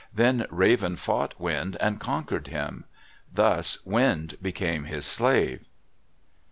Then Raven fought Wind and conquered him. Thus Wind became his slave.